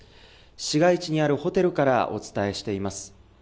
市街地にあるホテルからお伝えしています。